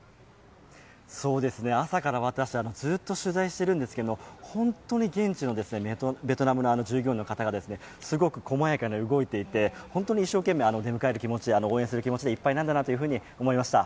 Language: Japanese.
朝から私、ずっと取材しているんですけれども、本当に現地のベトナムのホテルの方がすごく細やかに動いていて本当に一生懸命出迎える気持ち、応援する気持ちでいっぱいなんだなと思いました。